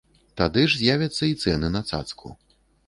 Тады ж з'явяцца і цэны на цацку.